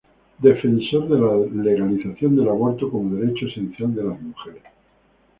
Defensor de la legalización del aborto como derecho esencial de las mujeres.